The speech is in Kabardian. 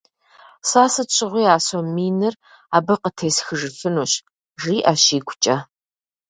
Сэ сыт щыгъуи а сом миныр абы къытесхыжыфынущ, - жиӀэщ игукӀэ.